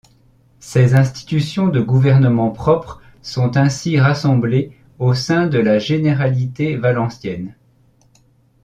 Ses institutions de gouvernement propre sont ainsi rassemblées au sein de la généralité valencienne.